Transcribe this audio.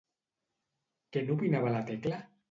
Què n'opinava la Tecla?